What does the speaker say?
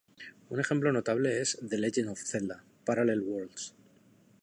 Un ejemplo notable es "The Legend of Zelda: Parallel Worlds".